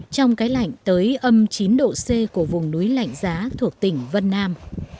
trong cái lạnh tới âm chín độ c của vùng núi lạnh giá thuộc tỉnh vân nam